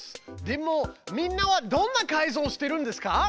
でもみんなはどんな改造をしてるんですか？